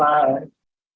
jadi rumah gitu